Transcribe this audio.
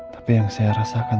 tapi yang saya rasakan